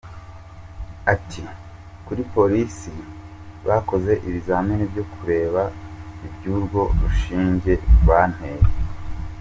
Ati “Kuri Polisi bakoze ibizamini byo kureba iby’urwo rushinge banteye.”